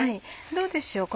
どうでしょう？